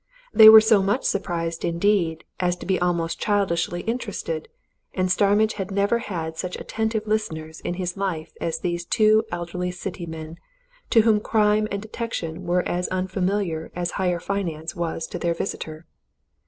They were so much surprised indeed, as to be almost childishly interested, and Starmidge had never had such attentive listeners in his life as these two elderly city men, to whom crime and detention were as unfamiliar as higher finance was to their visitor.